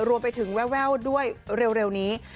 รวมไปถึงแววด้วยเร็วนี้